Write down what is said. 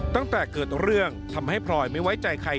ตั้งแต่เกิดเรื่องทำให้พลอยไม่ไว้ใจใคร